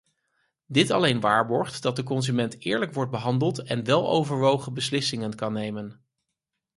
Dit alleen waarborgt dat de consument eerlijk wordt behandeld en weloverwogen beslissingen kan nemen.